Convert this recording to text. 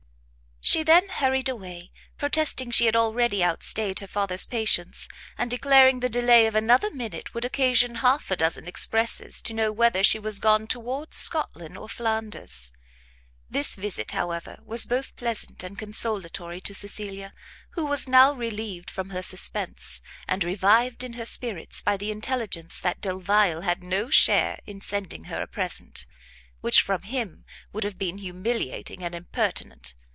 She then hurried away, protesting she had already outstayed her father's patience, and declaring the delay of another minute would occasion half a dozen expresses to know whether she was gone towards Scotland or Flanders. This visit, however, was both pleasant and consolatory to Cecilia; who was now relieved from her suspence, and revived in her spirits by the intelligence that Delvile had no share in sending her a present, which, from him, would have been humiliating and impertinent.